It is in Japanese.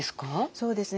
そうですね。